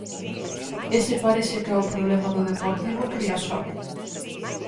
Ese parece que é o problema do Deportivo en Riazor.